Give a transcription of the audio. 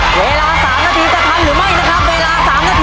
เวลา๓นาทีจะทำหรือไม่นะครับ